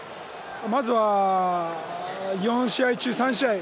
まずは４試合中３試合